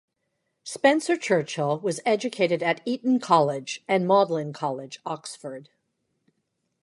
Spencer-Churchill was educated at Eton College and Magdalen College, Oxford.